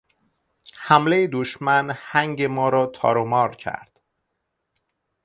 حملهی دشمن هنگ ما را تار و مار کرد.